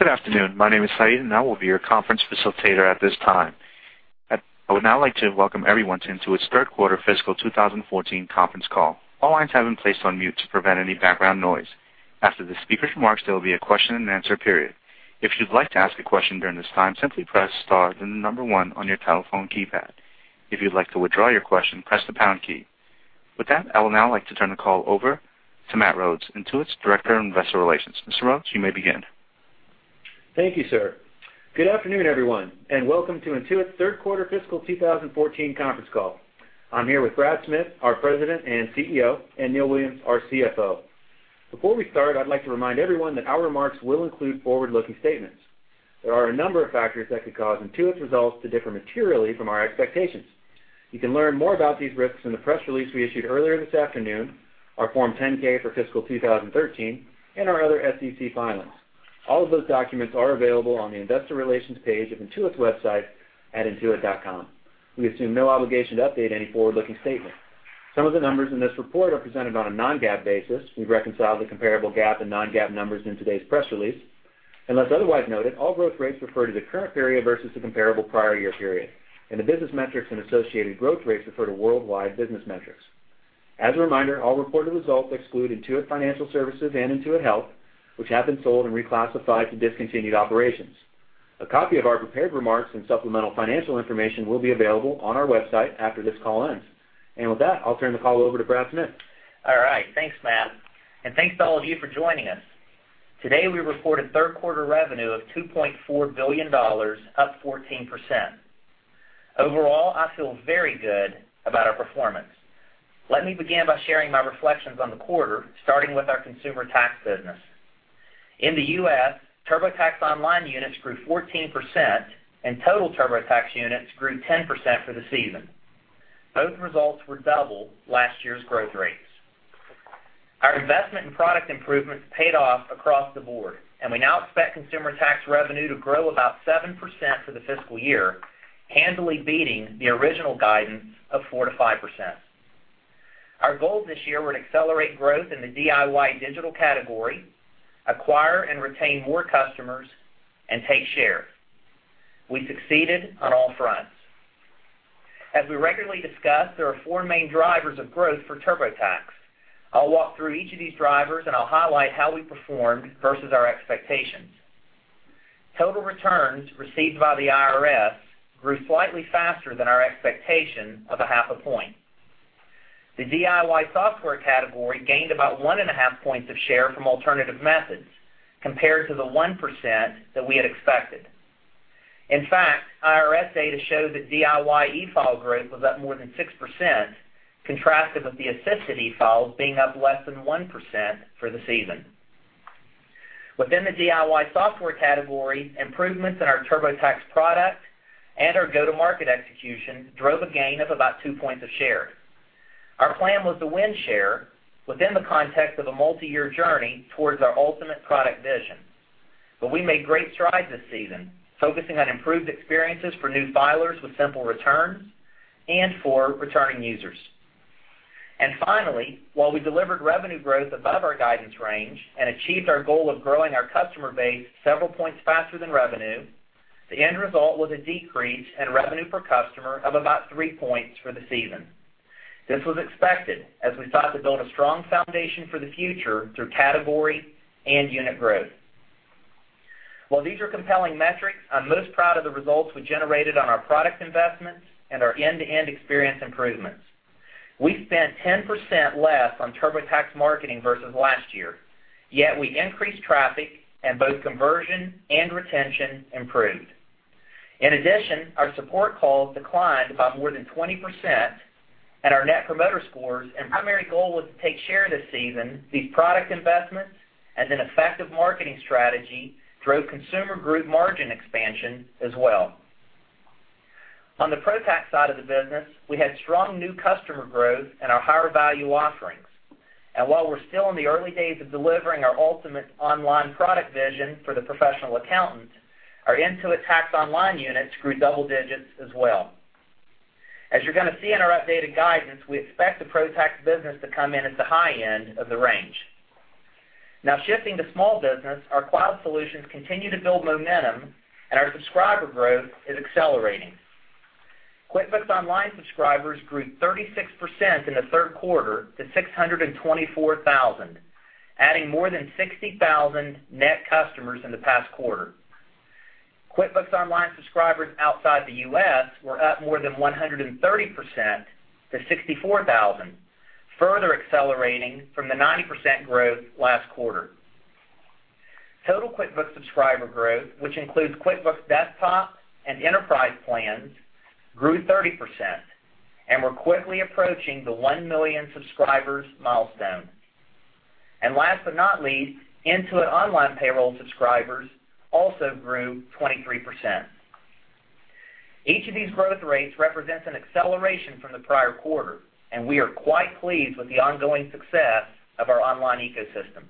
Good afternoon. My name is Saeed, I will be your conference facilitator at this time. I would now like to welcome everyone to Intuit's third quarter fiscal 2014 conference call. All lines have been placed on mute to prevent any background noise. After the speakers' remarks, there will be a question and answer period. If you'd like to ask a question during this time, simply press star, then the number 1 on your telephone keypad. If you'd like to withdraw your question, press the pound key. With that, I will now like to turn the call over to Matt Rhodes, Intuit's Director in Investor Relations. Mr. Rhodes, you may begin. Thank you, sir. Good afternoon, everyone. Welcome to Intuit's third quarter fiscal 2014 conference call. I'm here with Brad Smith, our President and CEO, and Neil Williams, our CFO. Before we start, I'd like to remind everyone that our remarks will include forward-looking statements. There are a number of factors that could cause Intuit's results to differ materially from our expectations. You can learn more about these risks in the press release we issued earlier this afternoon, our Form 10-K for fiscal 2013, and our other SEC filings. All of those documents are available on the investor relations page of intuit.com. We assume no obligation to update any forward-looking statements. Some of the numbers in this report are presented on a non-GAAP basis. We've reconciled the comparable GAAP and non-GAAP numbers in today's press release. Unless otherwise noted, all growth rates refer to the current period versus the comparable prior year period, and the business metrics and associated growth rates refer to worldwide business metrics. As a reminder, all reported results exclude Intuit Financial Services and Intuit Health, which have been sold and reclassified to discontinued operations. A copy of our prepared remarks and supplemental financial information will be available on our website after this call ends. With that, I'll turn the call over to Brad Smith. All right. Thanks, Matt. Thanks to all of you for joining us. Today, we reported third-quarter revenue of $2.4 billion, up 14%. Overall, I feel very good about our performance. Let me begin by sharing my reflections on the quarter, starting with our consumer tax business. In the U.S., TurboTax online units grew 14% and total TurboTax units grew 10% for the season. Both results were double last year's growth rates. Our investment in product improvements paid off across the board, and we now expect consumer tax revenue to grow about 7% for the fiscal year, handily beating the original guidance of 4%-5%. Our goals this year were to accelerate growth in the DIY digital category, acquire and retain more customers, and take share. We succeeded on all fronts. As we regularly discuss, there are four main drivers of growth for TurboTax. I'll walk through each of these drivers, and I'll highlight how we performed versus our expectations. Total returns received by the IRS grew slightly faster than our expectation of a half a point. The DIY software category gained about one and a half points of share from alternative methods, compared to the 1% that we had expected. In fact, IRS data show that DIY e-file growth was up more than 6%, contrastive of the assisted e-files being up less than 1% for the season. Within the DIY software category, improvements in our TurboTax product and our go-to-market execution drove a gain of about two points of share. Our plan was to win share within the context of a multi-year journey towards our ultimate product vision. We made great strides this season, focusing on improved experiences for new filers with simple returns and for returning users. Finally, while we delivered revenue growth above our guidance range and achieved our goal of growing our customer base several points faster than revenue, the end result was a decrease in revenue per customer of about three points for the season. This was expected as we sought to build a strong foundation for the future through category and unit growth. While these are compelling metrics, I'm most proud of the results we generated on our product investments and our end-to-end experience improvements. We spent 10% less on TurboTax marketing versus last year, yet we increased traffic and both conversion and retention improved. In addition, our support calls declined by more than 20%, and our Net Promoter Scores and primary goal was to take share this season, these product investments, and an effective marketing strategy drove consumer group margin expansion as well. On the ProTax side of the business, we had strong new customer growth in our higher-value offerings. While we're still in the early days of delivering our ultimate online product vision for the professional accountant, our Intuit Tax Online units grew double digits as well. As you're going to see in our updated guidance, we expect the ProTax business to come in at the high end of the range. Now shifting to small business, our cloud solutions continue to build momentum, and our subscriber growth is accelerating. QuickBooks Online subscribers grew 36% in the third quarter to 624,000, adding more than 60,000 net customers in the past quarter. QuickBooks Online subscribers outside the U.S. were up more than 130% to 64,000, further accelerating from the 90% growth last quarter. Total QuickBooks subscriber growth, which includes QuickBooks Desktop and QuickBooks Enterprise plans, grew 30%, and we're quickly approaching the one million subscribers milestone. Last but not least, Intuit Online Payroll subscribers also grew 23%. Each of these growth rates represents an acceleration from the prior quarter, and we are quite pleased with the ongoing success of our online ecosystem.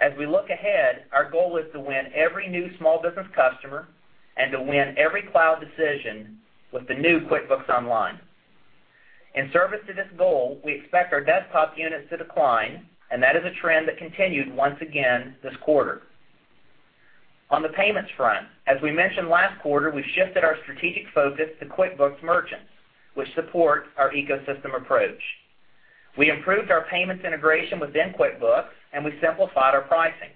As we look ahead, our goal is to win every new small business customer and to win every cloud decision with the new QuickBooks Online. In service to this goal, we expect our desktop units to decline, and that is a trend that continued once again this quarter. On the payments front, as we mentioned last quarter, we've shifted our strategic focus to QuickBooks merchants, which support our ecosystem approach. We improved our payments integration within QuickBooks, and we simplified our pricing.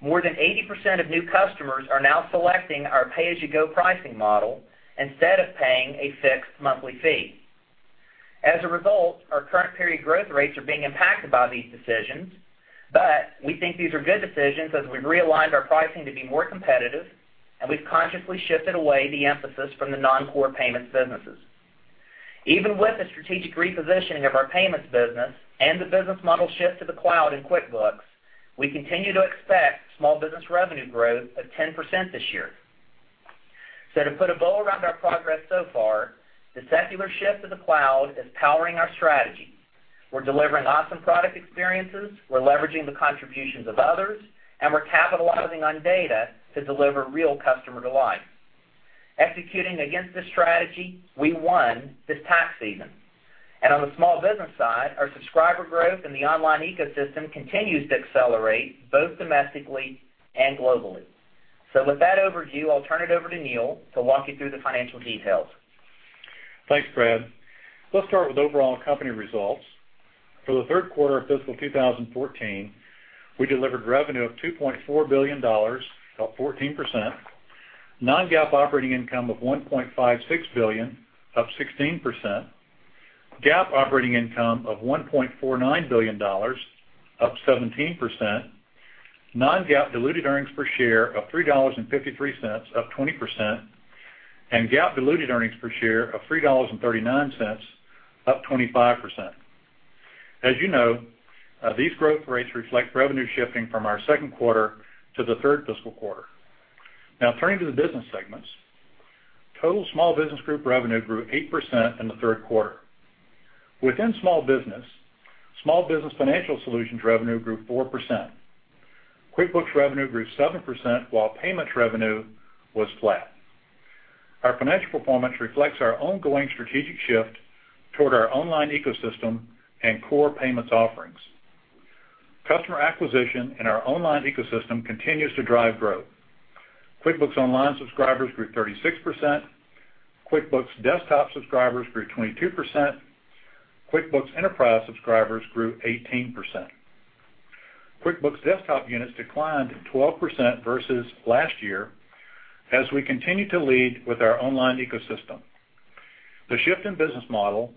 More than 80% of new customers are now selecting our pay-as-you-go pricing model instead of paying a fixed monthly fee. As a result, our current period growth rates are being impacted by these decisions. We think these are good decisions as we've realigned our pricing to be more competitive, and we've consciously shifted away the emphasis from the non-core payments businesses. Even with the strategic repositioning of our payments business and the business model shift to the cloud in QuickBooks, we continue to expect small business revenue growth of 10% this year. To put a bow around our progress so far, the secular shift to the cloud is powering our strategy. We're delivering awesome product experiences, we're leveraging the contributions of others, and we're capitalizing on data to deliver real customer delight. Executing against this strategy, we won this tax season. On the small business side, our subscriber growth in the online ecosystem continues to accelerate both domestically and globally. With that overview, I'll turn it over to Neil to walk you through the financial details. Thanks, Brad. Let's start with overall company results. For the third quarter of fiscal 2014, we delivered revenue of $2.4 billion, up 14%, non-GAAP operating income of $1.56 billion, up 16%, GAAP operating income of $1.49 billion, up 17%, non-GAAP diluted earnings per share of $3.53, up 20%, and GAAP diluted earnings per share of $3.39, up 25%. As you know, these growth rates reflect revenue shifting from our second quarter to the third fiscal quarter. Now turning to the business segments. Total Small Business Group revenue grew 8% in the third quarter. Within small business, small business financial solutions revenue grew 4%. QuickBooks revenue grew 7%, while payments revenue was flat. Our financial performance reflects our ongoing strategic shift toward our online ecosystem and core payments offerings. Customer acquisition in our online ecosystem continues to drive growth. QuickBooks Online subscribers grew 36%, QuickBooks Desktop subscribers grew 22%, QuickBooks Enterprise subscribers grew 18%. QuickBooks Desktop units declined 12% versus last year, as we continue to lead with our online ecosystem. The shift in business model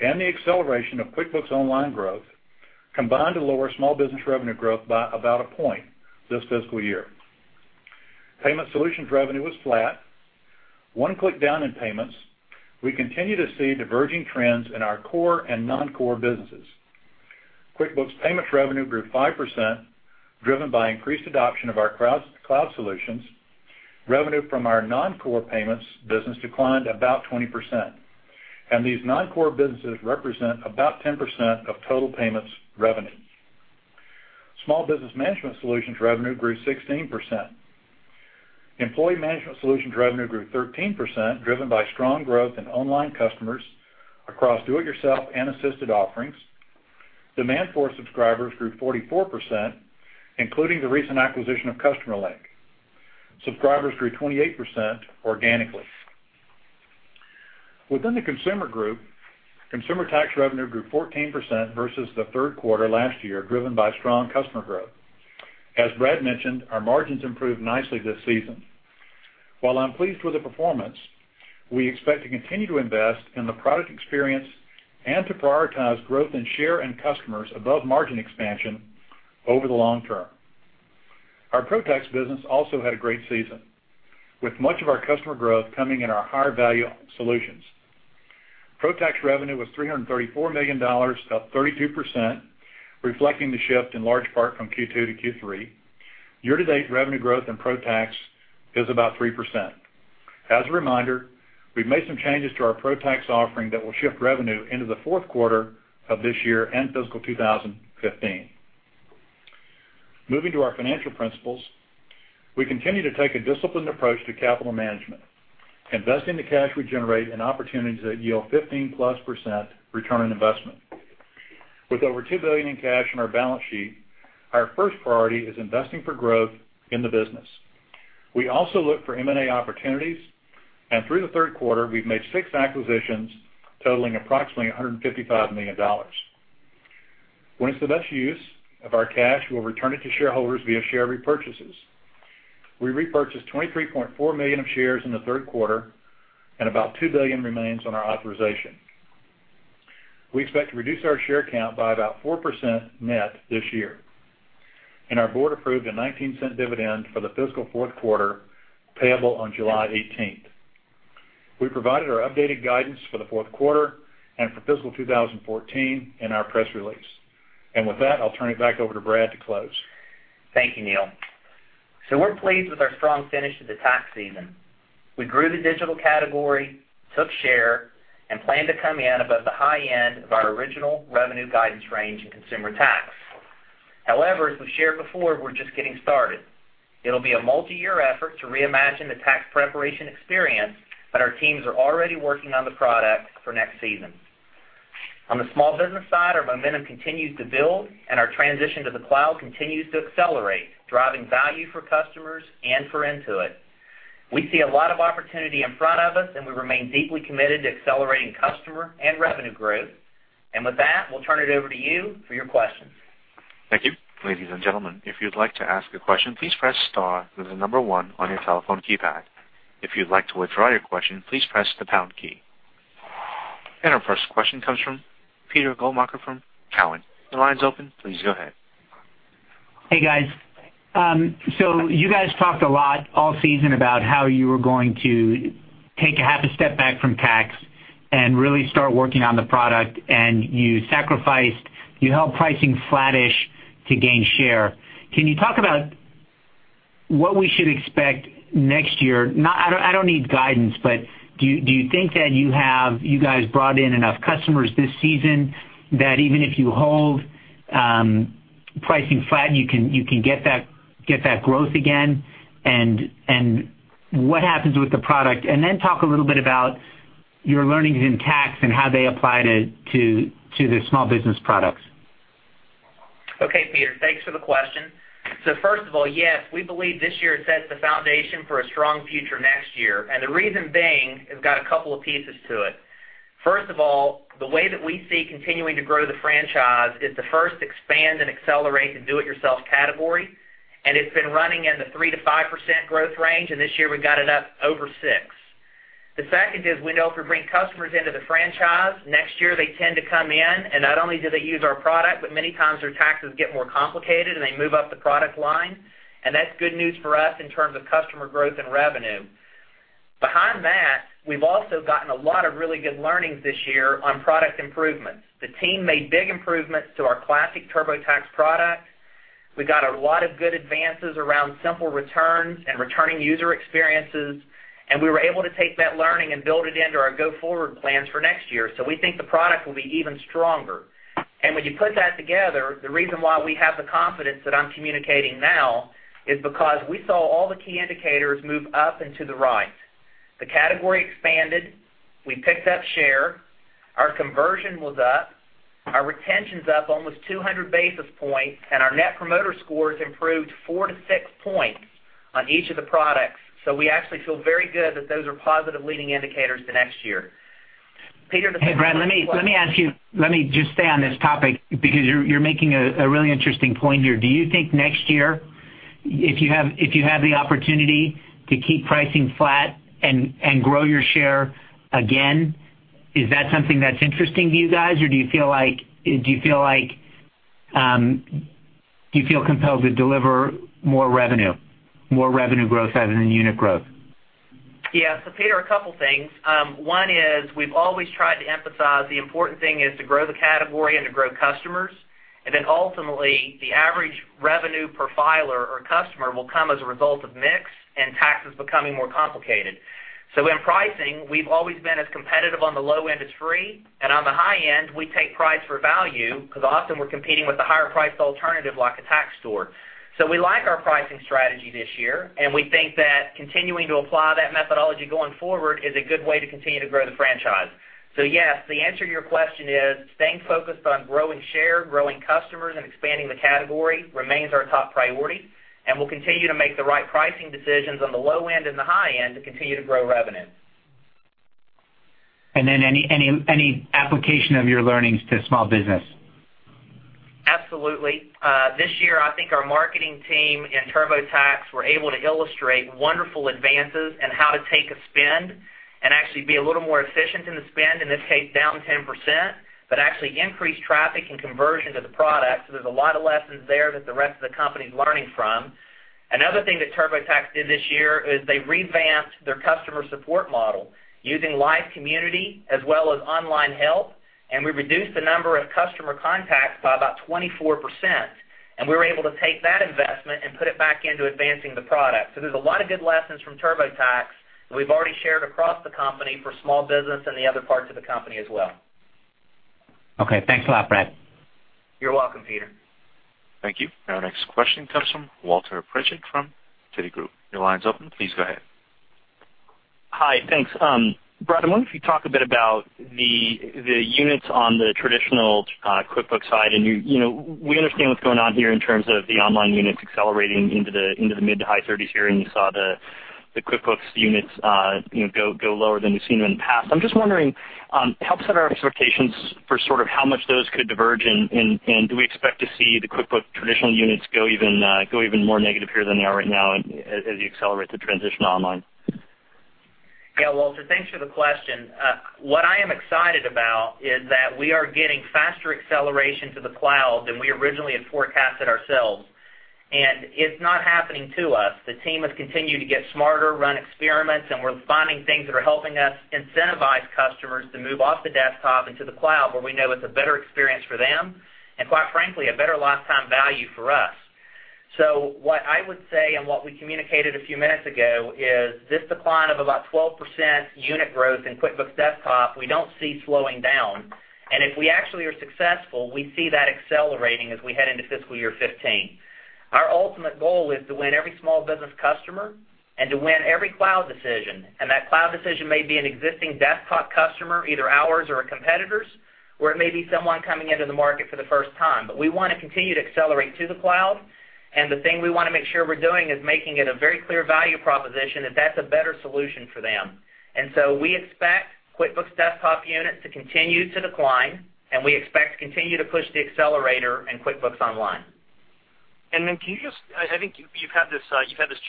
and the acceleration of QuickBooks Online growth combined to lower small business revenue growth by about a point this fiscal year. Payment solutions revenue was flat. One click down in payments. We continue to see diverging trends in our core and non-core businesses. QuickBooks payments revenue grew 5%, driven by increased adoption of our cloud solutions. Revenue from our non-core payments business declined about 20%, and these non-core businesses represent about 10% of total payments revenue. Small business management solutions revenue grew 16%. Employee management solutions revenue grew 13%, driven by strong growth in online customers across do-it-yourself and assisted offerings. Demandforce subscribers grew 44%, including the recent acquisition of CustomerLink. Subscribers grew 28% organically. Within the consumer group, consumer tax revenue grew 14% versus the third quarter last year, driven by strong customer growth. As Brad mentioned, our margins improved nicely this season. While I'm pleased with the performance, we expect to continue to invest in the product experience and to prioritize growth in share and customers above margin expansion over the long term. Our Pro Tax business also had a great season, with much of our customer growth coming in our higher-value solutions. Pro Tax revenue was $334 million, up 32%, reflecting the shift in large part from Q2 to Q3. Year-to-date revenue growth in Pro Tax is about 3%. As a reminder, we've made some changes to our Pro Tax offering that will shift revenue into the fourth quarter of this year and fiscal 2015. Moving to our financial principles, we continue to take a disciplined approach to capital management, investing the cash we generate in opportunities that yield 15%+ ROI. With over $2 billion in cash on our balance sheet, our first priority is investing for growth in the business. We also look for M&A opportunities, and through the third quarter, we've made six acquisitions totaling approximately $155 million. When it's the best use of our cash, we'll return it to shareholders via share repurchases. We repurchased 23.4 million of shares in the third quarter, and about $2 billion remains on our authorization. We expect to reduce our share count by about 4% net this year. Our board approved a $0.19 dividend for the fiscal fourth quarter, payable on July 18th. We provided our updated guidance for the fourth quarter and for fiscal 2014 in our press release. With that, I'll turn it back over to Brad to close. Thank you, Neil. We're pleased with our strong finish to the tax season. We grew the digital category, took share, and plan to come in above the high end of our original revenue guidance range in consumer tax. However, as we've shared before, we're just getting started. It'll be a multi-year effort to reimagine the tax preparation experience, but our teams are already working on the product for next season. On the small business side, our momentum continues to build, and our transition to the cloud continues to accelerate, driving value for customers and for Intuit. We see a lot of opportunity in front of us, and we remain deeply committed to accelerating customer and revenue growth. With that, we'll turn it over to you for your questions. Thank you. Ladies and gentlemen, if you'd like to ask a question, please press star, then the number 1 on your telephone keypad. If you'd like to withdraw your question, please press the pound key. Our first question comes from Peter Goldmacher from Cowen. Your line's open. Please go ahead. Hey, guys. You guys talked a lot all season about how you were going to take a half a step back from tax and really start working on the product, and you sacrificed. You held pricing flattish to gain share. Can you talk about what we should expect next year? I don't need guidance, but do you think that you guys brought in enough customers this season that even if you hold pricing flat, you can get that growth again? What happens with the product? Talk a little bit about your learnings in tax and how they apply to the small business products. Okay, Peter, thanks for the question. First of all, yes, we believe this year sets the foundation for a strong future next year, and the reason being, it's got a couple of pieces to it. First of all, the way that we see continuing to grow the franchise is to first expand and accelerate the do-it-yourself category, and it's been running in the 3%-5% growth range, and this year we got it up over 6%. The second is we know if we bring customers into the franchise, next year they tend to come in, and not only do they use our product, but many times their taxes get more complicated, and they move up the product line, and that's good news for us in terms of customer growth and revenue. Behind that, we've also gotten a lot of really good learnings this year on product improvements. The team made big improvements to our classic TurboTax product. We got a lot of good advances around simple returns and returning user experiences, and we were able to take that learning and build it into our go-forward plans for next year, so we think the product will be even stronger. When you put that together, the reason why we have the confidence that I'm communicating now is because we saw all the key indicators move up and to the right. The category expanded. We picked up share. Our conversion was up. Our retention's up almost 200 basis points, and our Net Promoter Scores improved four to six points on each of the products. We actually feel very good that those are positive leading indicators to next year. Peter- Hey, Brad, let me just stay on this topic because you're making a really interesting point here. Do you think next year, if you have the opportunity to keep pricing flat and grow your share again, is that something that's interesting to you guys, or do you feel compelled to deliver more revenue growth rather than unit growth? Yeah. Peter, a couple things. One is we've always tried to emphasize the important thing is to grow the category and to grow customers. Ultimately, the average revenue per filer or customer will come as a result of mix and taxes becoming more complicated. In pricing, we've always been as competitive on the low end as free, and on the high end, we take price for value because often we're competing with a higher-priced alternative, like a tax store. We like our pricing strategy this year, and we think that continuing to apply that methodology going forward is a good way to continue to grow the franchise. Yes, the answer to your question is staying focused on growing share, growing customers, and expanding the category remains our top priority, and we'll continue to make the right pricing decisions on the low end and the high end to continue to grow revenue. Any application of your learnings to small business? Absolutely. This year, I think our marketing team in TurboTax were able to illustrate wonderful advances in how to take a spend and actually be a little more efficient in the spend, in this case, down 10%, but actually increase traffic and conversion to the product, there's a lot of lessons there that the rest of the company's learning from. Another thing that TurboTax did this year is they revamped their customer support model using Live community as well as online help, and we reduced the number of customer contacts by about 24%, and we were able to take that investment and put it back into advancing the product. There's a lot of good lessons from TurboTax that we've already shared across the company for small business and the other parts of the company as well. Okay. Thanks a lot, Brad. You're welcome, Peter. Thank you. Our next question comes from Walter Pritchard from Citigroup. Your line's open. Please go ahead. Hi. Thanks. Brad, I wonder if you'd talk a bit about the units on the traditional QuickBooks side. We understand what's going on here in terms of the online units accelerating into the mid to high 30s here. You saw the QuickBooks units go lower than we've seen them in the past. I'm just wondering, help set our expectations for sort of how much those could diverge. Do we expect to see the QuickBooks traditional units go even more negative here than they are right now as you accelerate the transition online? Yeah, Walter, thanks for the question. What I am excited about is that we are getting faster acceleration to the cloud than we originally had forecasted ourselves. It's not happening to us. The team has continued to get smarter, run experiments. We're finding things that are helping us incentivize customers to move off the desktop into the cloud, where we know it's a better experience for them, and quite frankly, a better lifetime value for us. What I would say, and what we communicated a few minutes ago, is this decline of about 12% unit growth in QuickBooks Desktop, we don't see slowing down. If we actually are successful, we see that accelerating as we head into FY 2015. Our ultimate goal is to win every small business customer and to win every cloud decision. That cloud decision may be an existing desktop customer, either ours or a competitor's, or it may be someone coming into the market for the first time. We want to continue to accelerate to the cloud. The thing we want to make sure we're doing is making it a very clear value proposition, that that's a better solution for them. We expect QuickBooks Desktop units to continue to decline. We expect to continue to push the accelerator in QuickBooks Online. Can you just I think you've had this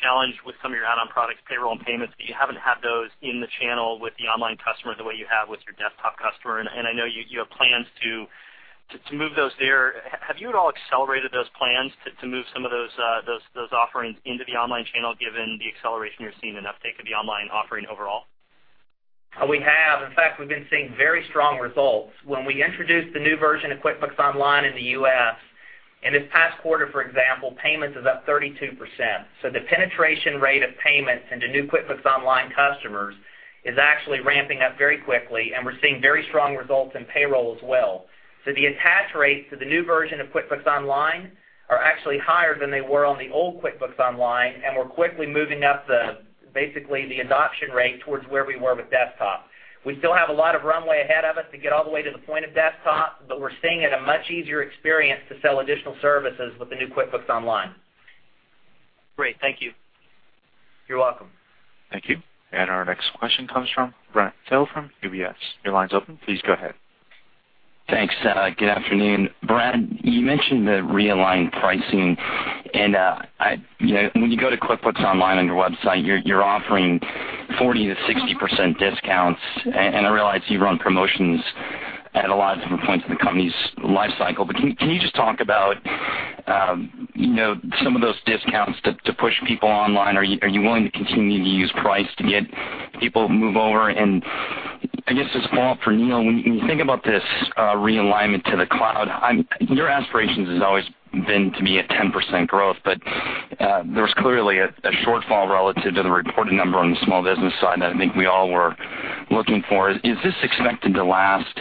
challenge with some of your add-on products, payroll and payments. You haven't had those in the channel with the online customer the way you have with your desktop customer. I know you have plans to move those there. Have you at all accelerated those plans to move some of those offerings into the online channel, given the acceleration you're seeing in uptake of the online offering overall? We have. In fact, we've been seeing very strong results. When we introduced the new version of QuickBooks Online in the U.S., in this past quarter, for example, payments is up 32%. The penetration rate of payments into new QuickBooks Online customers is actually ramping up very quickly, and we're seeing very strong results in payroll as well. The attach rates to the new version of QuickBooks Online are actually higher than they were on the old QuickBooks Online, and we're quickly moving up basically the adoption rate towards where we were with Desktop. We still have a lot of runway ahead of us to get all the way to the point of Desktop, but we're seeing it a much easier experience to sell additional services with the new QuickBooks Online. Great. Thank you. You're welcome. Thank you. Our next question comes from Brent Thill from UBS. Your line's open. Please go ahead. Thanks. Good afternoon. Brad, you mentioned the realigned pricing. When you go to QuickBooks Online on your website, you're offering 40%-60% discounts. I realize you run promotions at a lot of different points in the company's life cycle, but can you just talk about some of those discounts to push people online? Are you willing to continue to use price to get people to move over? I guess this is a follow-up for Neil. When you think about this realignment to the cloud, your aspirations has always been to be at 10% growth, but there's clearly a shortfall relative to the reported number on the small business side that I think we all were looking for. Is this expected to last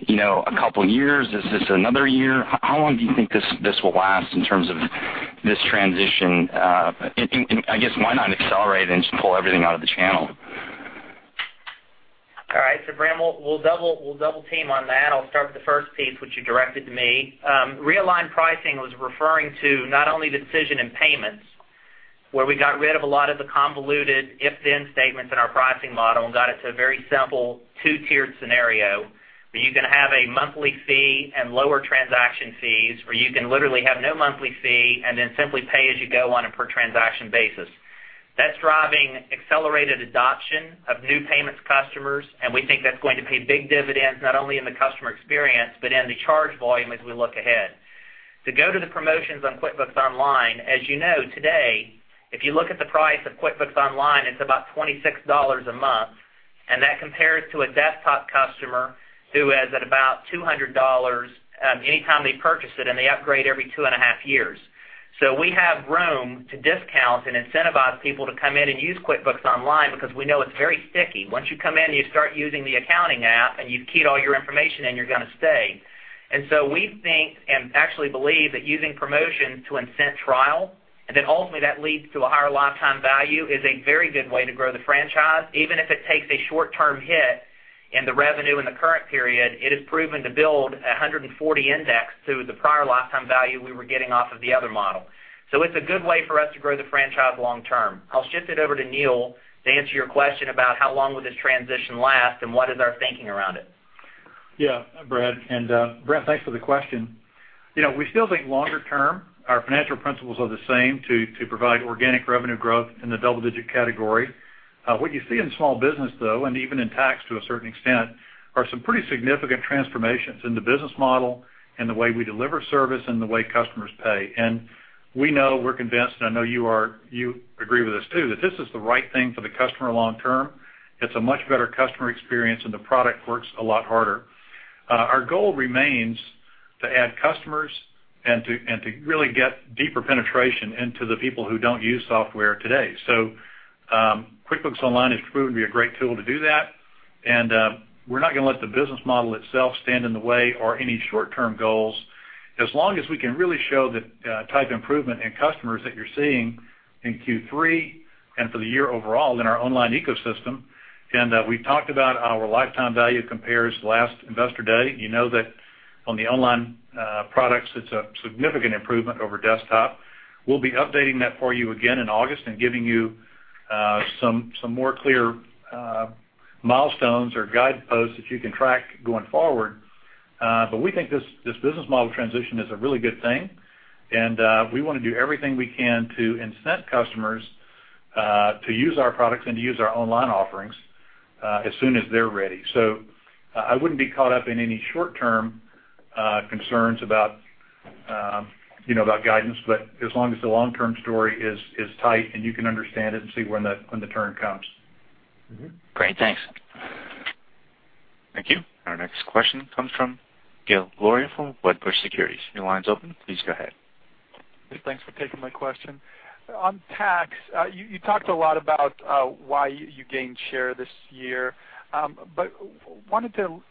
a couple of years? Is this another year? How long do you think this will last in terms of this transition? I guess, why not accelerate and just pull everything out of the channel? All right. Brent, we'll double team on that. I'll start with the first piece, which you directed to me. Realigned pricing was referring to not only the decision in payments, where we got rid of a lot of the convoluted if/then statements in our pricing model and got it to a very simple two-tiered scenario, where you can have a monthly fee and lower transaction fees, or you can literally have no monthly fee and then simply pay as you go on a per transaction basis. That's driving accelerated adoption of new payments customers. We think that's going to pay big dividends, not only in the customer experience, but in the charge volume as we look ahead. To go to the promotions on QuickBooks Online, as you know, today, if you look at the price of QuickBooks Online, it's about $26 a month. That compares to a Desktop customer who is at about $200 anytime they purchase it, and they upgrade every two and a half years. We have room to discount and incentivize people to come in and use QuickBooks Online because we know it's very sticky. Once you come in, you start using the accounting app and you've keyed all your information in, you're gonna stay. We think, and actually believe, that using promotion to incent trial, and then ultimately that leads to a higher lifetime value, is a very good way to grow the franchise. Even if it takes a short-term hit in the revenue in the current period, it has proven to build 140 index to the prior lifetime value we were getting off of the other model. It's a good way for us to grow the franchise long term. I'll shift it over to Neil to answer your question about how long will this transition last and what is our thinking around it. Yeah. Brad. Brent, thanks for the question. We still think longer term, our financial principles are the same, to provide organic revenue growth in the double-digit category. What you see in small business, though, and even in tax to a certain extent, are some pretty significant transformations in the business model, in the way we deliver service, and the way customers pay. We know, we're convinced, and I know you agree with this, too, that this is the right thing for the customer long term. It's a much better customer experience, and the product works a lot harder. Our goal remains to add customers and to really get deeper penetration into the people who don't use software today. QuickBooks Online has proven to be a great tool to do that, and we're not gonna let the business model itself stand in the way or any short-term goals as long as we can really show the type of improvement in customers that you're seeing in Q3 and for the year overall in our online ecosystem. We've talked about how our lifetime value compares to last investor day. You know that on the online products, it's a significant improvement over Desktop. We'll be updating that for you again in August and giving you some more clear milestones or guideposts that you can track going forward. We think this business model transition is a really good thing, and we want to do everything we can to incent customers to use our products and to use our online offerings as soon as they're ready. I wouldn't be caught up in any short-term concerns about guidance, as long as the long-term story is tight and you can understand it and see when the turn comes. Great. Thanks. Thank you. Our next question comes from Gil Luria from Wedbush Securities. Your line's open. Please go ahead. Thanks for taking my question. On tax, you talked a lot about why you gained share this year, but wanted to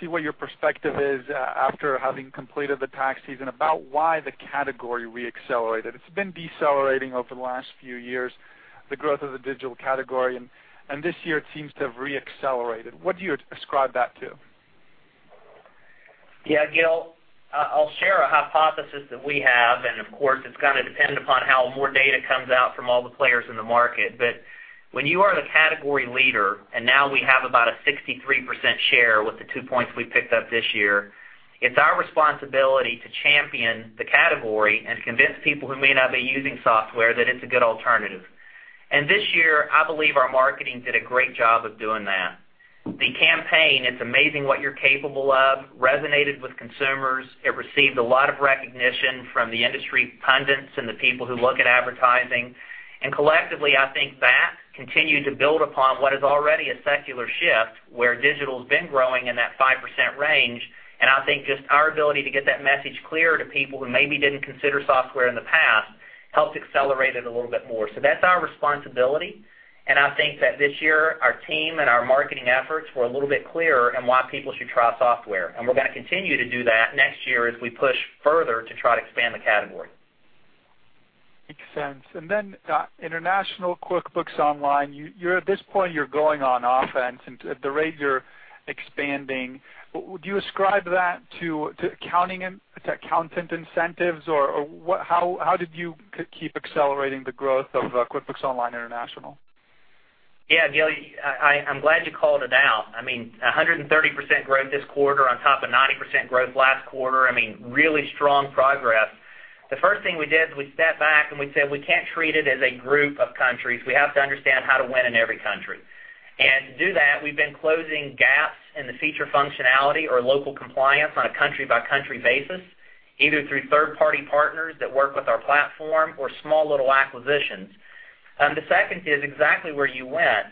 see what your perspective is after having completed the tax season about why the category re-accelerated. It's been decelerating over the last few years, the growth of the digital category, and this year it seems to have re-accelerated. What do you ascribe that to? Yeah. Gil, I'll share a hypothesis that we have, and of course, it's going to depend upon how more data comes out from all the players in the market. When you are the category leader, and now we have about a 63% share with the two points we picked up this year, it's our responsibility to champion the category and convince people who may not be using software that it's a good alternative. This year, I believe our marketing did a great job of doing that. The campaign, It's Amazing What You're Capable Of, resonated with consumers. It received a lot of recognition from the industry pundits and the people who look at advertising. Collectively, I think that continued to build upon what is already a secular shift, where digital's been growing in that 5% range. I think just our ability to get that message clear to people who maybe didn't consider software in the past, helped accelerate it a little bit more. That's our responsibility, and I think that this year our team and our marketing efforts were a little bit clearer in why people should try software. We're going to continue to do that next year as we push further to try to expand the category. Makes sense. Then, International QuickBooks Online, at this point, you're going on offense, and at the rate you're expanding, do you ascribe that to accountant incentives, or how did you keep accelerating the growth of QuickBooks Online International? Yeah, Gil, I'm glad you called it out. 130% growth this quarter on top of 90% growth last quarter, really strong progress. The first thing we did is we stepped back and we said, "We can't treat it as a group of countries. We have to understand how to win in every country." To do that, we've been closing gaps in the feature functionality or local compliance on a country-by-country basis, either through third-party partners that work with our platform or small little acquisitions. The second is exactly where you went.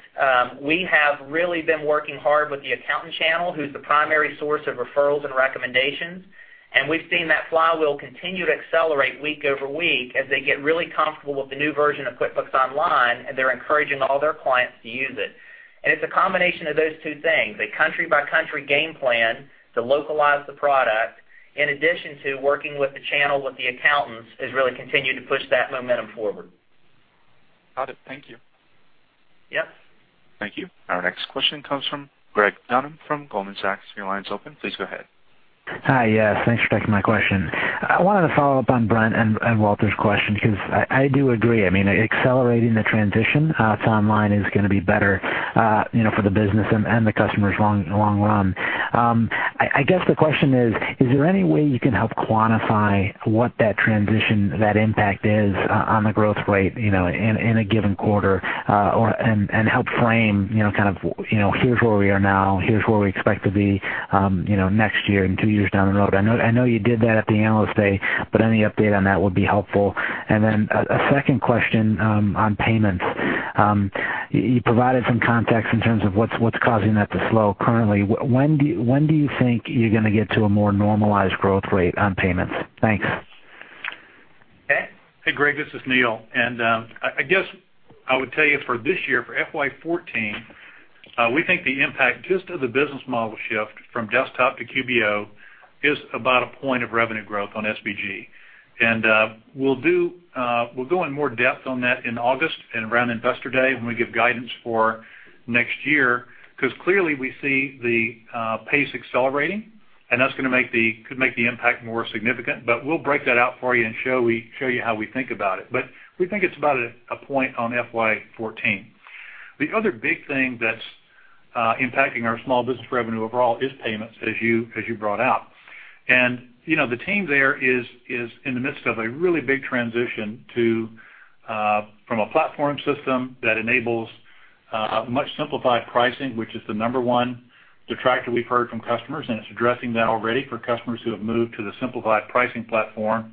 We have really been working hard with the accountant channel, who's the primary source of referrals and recommendations, and we've seen that flywheel continue to accelerate week over week as they get really comfortable with the new version of QuickBooks Online, and they're encouraging all their clients to use it. It's a combination of those two things, a country-by-country game plan to localize the product, in addition to working with the channel with the accountants, has really continued to push that momentum forward. Got it. Thank you. Yep. Thank you. Our next question comes from Greg Dunham from Goldman Sachs. Your line is open. Please go ahead. Hi. Yes, thanks for taking my question. I wanted to follow up on Brent and Walter's question because I do agree, accelerating the transition to online is going to be better for the business and the customers in the long run. I guess the question is there any way you can help quantify what that transition, that impact is on the growth rate in a given quarter, and help frame kind of here's where we are now, here's where we expect to be next year and two years down the road? I know you did that at the Analyst Day, but any update on that would be helpful. Then a second question on payments. You provided some context in terms of what's causing that to slow currently. When do you think you're going to get to a more normalized growth rate on payments? Thanks. Hey, Greg, this is Neil. I guess I would tell you for this year, for FY14, we think the impact just of the business model shift from desktop to QBO is about a point of revenue growth on SBG. We'll go in more depth on that in August and around Investor Day when we give guidance for next year, because clearly we see the pace accelerating, and that could make the impact more significant. We'll break that out for you and show you how we think about it. We think it's about a point on FY14. The other big thing that's impacting our small business revenue overall is payments, as you brought out. The team there is in the midst of a really big transition from a platform system that enables much simplified pricing, which is the number one detractor we've heard from customers, and it's addressing that already for customers who have moved to the simplified pricing platform.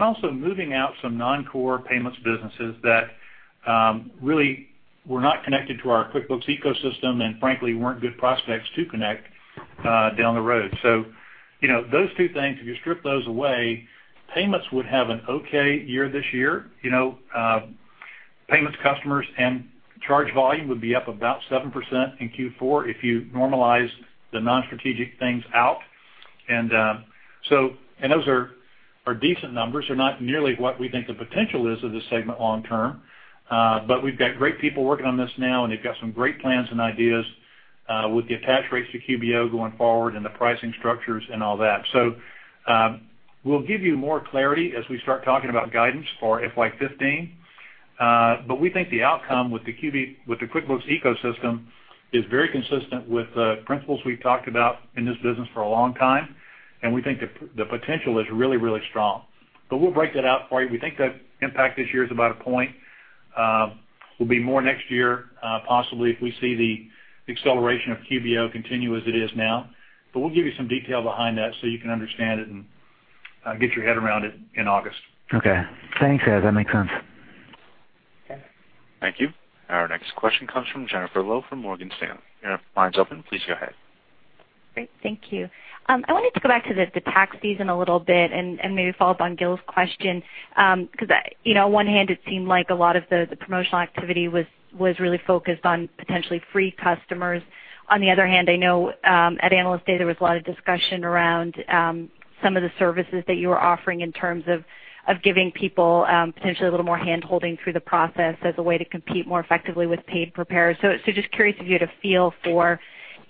Also moving out some non-core payments businesses that really were not connected to our QuickBooks ecosystem and frankly, weren't good prospects to connect down the road. Those two things, if you strip those away, payments would have an okay year this year. Payments customers and charge volume would be up about 7% in Q4 if you normalize the non-strategic things out. Those are decent numbers. They're not nearly what we think the potential is of this segment long term. We've got great people working on this now, and they've got some great plans and ideas with the attach rates to QBO going forward and the pricing structures and all that. We'll give you more clarity as we start talking about guidance for FY 2015. We think the outcome with the QuickBooks ecosystem is very consistent with the principles we've talked about in this business for a long time, and we think the potential is really strong. We'll break that out for you. We think the impact this year is about a point. We'll be more next year, possibly, if we see the acceleration of QBO continue as it is now. We'll give you some detail behind that so you can understand it and get your head around it in August. Okay. Thanks, guys. That makes sense. Thank you. Our next question comes from Jennifer Lowe from Morgan Stanley. Your line's open. Please go ahead. Great, thank you. I wanted to go back to the tax season a little bit and maybe follow up on Gil's question, because, on one hand, it seemed like a lot of the promotional activity was really focused on potentially free customers. On the other hand, I know at Analyst Day, there was a lot of discussion around some of the services that you were offering in terms of giving people potentially a little more hand-holding through the process as a way to compete more effectively with paid preparers. Just curious if you had a feel for,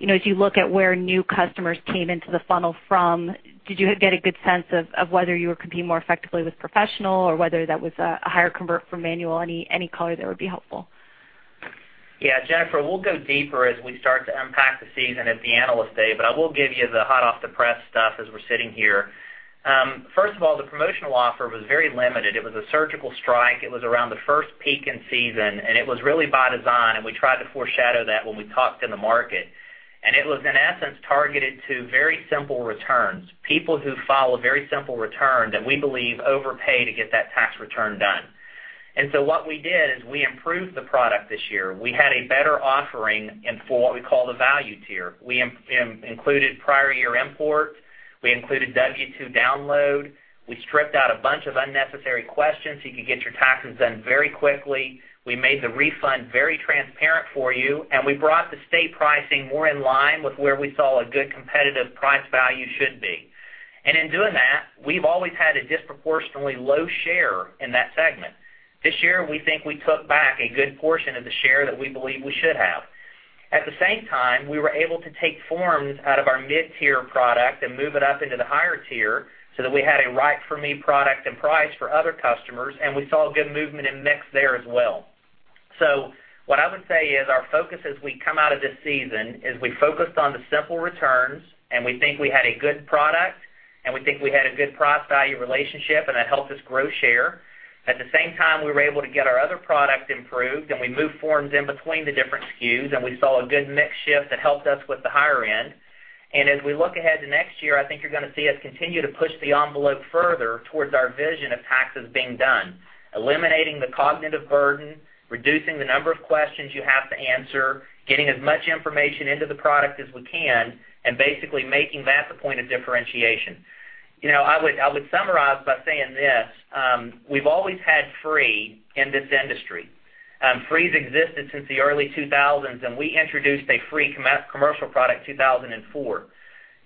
as you look at where new customers came into the funnel from, did you get a good sense of whether you were competing more effectively with professional or whether that was a higher convert for manual? Any color there would be helpful. Yeah, Jennifer, we'll go deeper as we start to unpack the season at the Analyst Day, but I will give you the hot-off-the-press stuff as we're sitting here. First of all, the promotional offer was very limited. It was a surgical strike. It was around the first peak in season, and it was really by design, and we tried to foreshadow that when we talked to the market. It was, in essence, targeted to very simple returns, people who file a very simple return that we believe overpay to get that tax return done. What we did is we improved the product this year. We had a better offering in for what we call the value tier. We included prior year import, we included W-2 download, we stripped out a bunch of unnecessary questions so you could get your taxes done very quickly. We made the refund very transparent for you, and we brought the state pricing more in line with where we saw a good competitive price value should be. In doing that, we've always had a disproportionately low share in that segment. This year, we think we took back a good portion of the share that we believe we should have. At the same time, we were able to take forms out of our mid-tier product and move it up into the higher tier so that we had a right for me product and price for other customers, and we saw good movement in mix there as well. What I would say is our focus as we come out of this season is we focused on the simple returns, and we think we had a good product, and we think we had a good price value relationship, and that helped us grow share. At the same time, we were able to get our other product improved, and we moved forms in between the different SKUs, and we saw a good mix shift that helped us with the higher end. As we look ahead to next year, I think you're going to see us continue to push the envelope further towards our vision of taxes being done, eliminating the cognitive burden, reducing the number of questions you have to answer, getting as much information into the product as we can, and basically making that the point of differentiation. I would summarize by saying this: we've always had free in this industry. Free has existed since the early 2000s, and we introduced a free commercial product in 2004.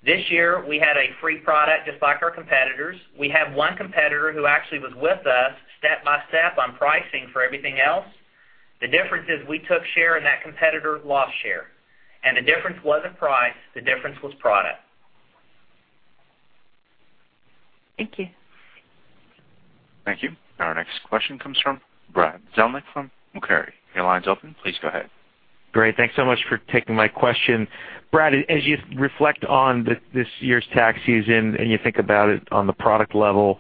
This year, we had a free product just like our competitors. We have one competitor who actually was with us step by step on pricing for everything else. The difference is we took share and that competitor lost share. The difference wasn't price, the difference was product. Thank you. Thank you. Our next question comes from Brad Zelnick from Macquarie. Your line is open. Please go ahead. Great. Thanks so much for taking my question. Brad, as you reflect on this year's tax season and you think about it on the product level,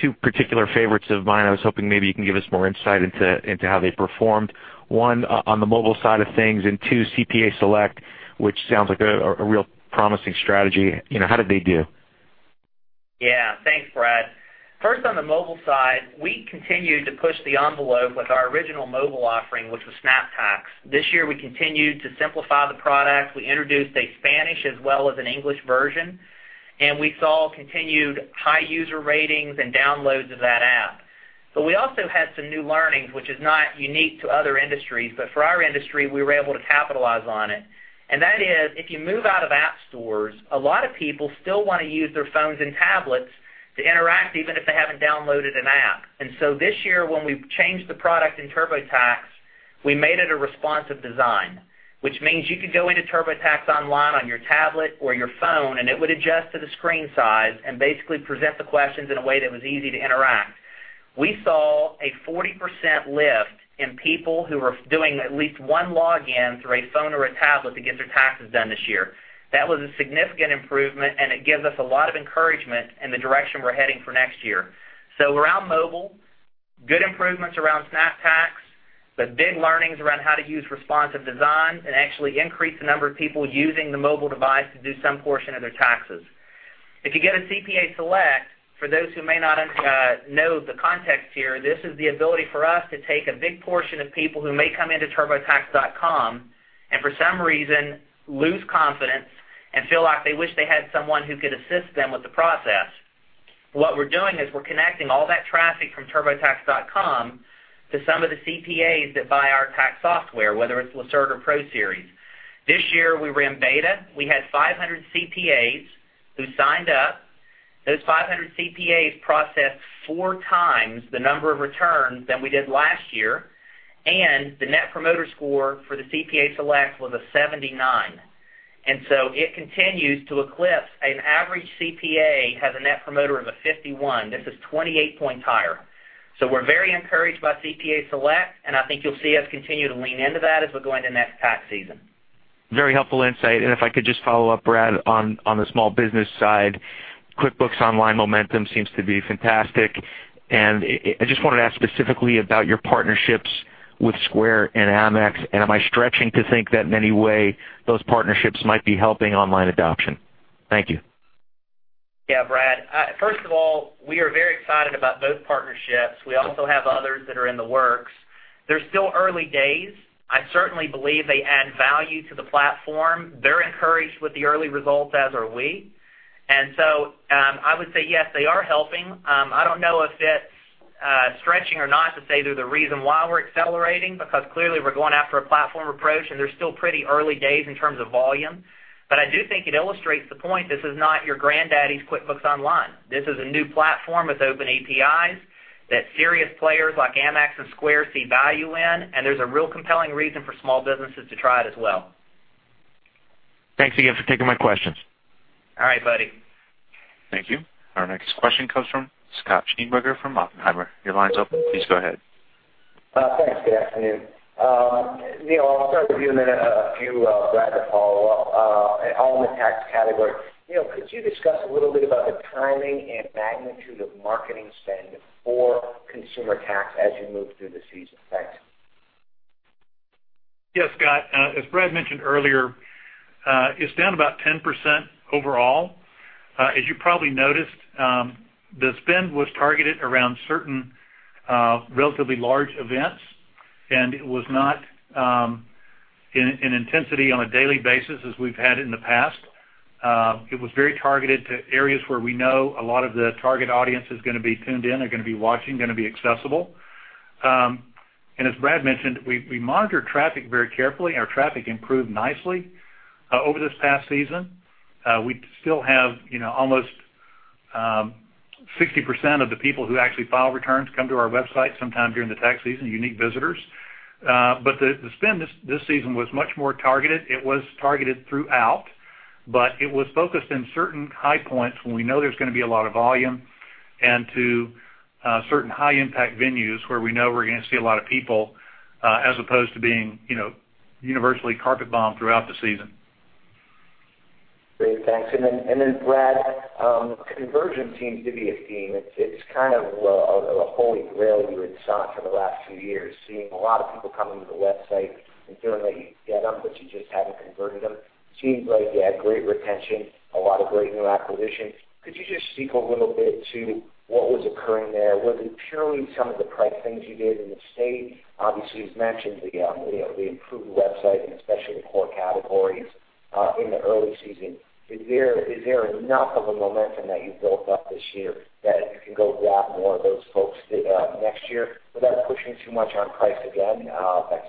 two particular favorites of mine I was hoping maybe you can give us more insight into how they performed. One, on the mobile side of things, and two, CPA Select, which sounds like a real promising strategy. How did they do? Yeah. Thanks, Brad. First, on the mobile side, we continued to push the envelope with our original mobile offering, which was SnapTax. This year, we continued to simplify the product. We introduced a Spanish as well as an English version, and we saw continued high user ratings and downloads of that app. We also had some new learnings, which is not unique to other industries, but for our industry, we were able to capitalize on it. That is, if you move out of app stores, a lot of people still want to use their phones and tablets to interact, even if they haven't downloaded an app. This year, when we've changed the product in TurboTax, we made it a responsive design, which means you could go into TurboTax online on your tablet or your phone, and it would adjust to the screen size and basically present the questions in a way that was easy to interact. We saw a 40% lift in people who were doing at least one login through a phone or a tablet to get their taxes done this year. That was a significant improvement, it gives us a lot of encouragement in the direction we're heading for next year. Around mobile, good improvements around SnapTax, big learnings around how to use responsive design and actually increase the number of people using the mobile device to do some portion of their taxes. If you go to CPA Select, for those who may not know the context here, this is the ability for us to take a big portion of people who may come into turbotax.com and for some reason lose confidence and feel like they wish they had someone who could assist them with the process. What we're doing is we're connecting all that traffic from turbotax.com to some of the CPAs that buy our tax software, whether it's Lacerte or ProSeries. This year, we ran beta. We had 500 CPAs who signed up. Those 500 CPAs processed four times the number of returns than we did last year, the Net Promoter Score for the CPA Select was a 79. It continues to eclipse. An average CPA has a Net Promoter of a 51. This is 28 points higher. We're very encouraged by CPA Select, I think you'll see us continue to lean into that as we go into next tax season. Very helpful insight. If I could just follow up, Brad, on the small business side, QuickBooks Online momentum seems to be fantastic. I just wanted to ask specifically about your partnerships with Square and Amex, am I stretching to think that in any way those partnerships might be helping online adoption? Thank you. Yeah, Brad. First of all, we are very excited about both partnerships. We also have others that are in the works. They're still early days. I certainly believe they add value to the platform. They're encouraged with the early results, as are we. So, I would say yes, they are helping. I don't know if that's stretching or not to say they're the reason why we're accelerating, because clearly we're going after a platform approach, and they're still pretty early days in terms of volume. I do think it illustrates the point, this is not your granddaddy's QuickBooks Online. This is a new platform with open APIs that serious players like Amex and Square see value in, and there's a real compelling reason for small businesses to try it as well. Thanks again for taking my questions. All right, buddy. Thank you. Our next question comes from Scott Schneeberger from Oppenheimer. Your line's open. Please go ahead. Thanks. Good afternoon. Neil, I'll start with you and then a few of Brad to follow up, all in the tax category. Neil, could you discuss a little bit about the timing and magnitude of marketing spend for consumer tax as you move through the season? Thanks. Yes, Scott. As Brad mentioned earlier, it's down about 10% overall. As you probably noticed, the spend was targeted around certain relatively large events, and it was not in intensity on a daily basis as we've had it in the past. It was very targeted to areas where we know a lot of the target audience is going to be tuned in, are going to be watching, going to be accessible. As Brad mentioned, we monitor traffic very carefully, and our traffic improved nicely over this past season. We still have almost 60% of the people who actually file returns come to our website sometime during the tax season, unique visitors. The spend this season was much more targeted. It was targeted throughout, but it was focused in certain high points when we know there's going to be a lot of volume and to certain high impact venues where we know we're going to see a lot of people, as opposed to being universally carpet bombed throughout the season. Great. Thanks. Brad, conversion seems to be a theme. It's kind of a holy grail you had sought for the last few years, seeing a lot of people coming to the website and feeling that you get them, but you just haven't converted them. Seems like you had great retention, a lot of great new acquisition. Could you just speak a little bit to what was occurring there? Was it purely some of the price things you did in the state? Obviously, you've mentioned the improved website and especially the core categories, in the early season. Is there enough of a momentum that you built up this year that you can go grab more of those folks next year without pushing too much on price again? Thanks.